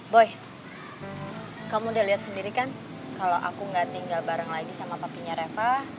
boy kamu udah lihat sendiri kan kalau aku nggak tinggal bareng lagi sama papanya reva